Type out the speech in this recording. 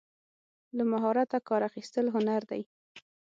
له مهارته کار اخیستل هنر دی.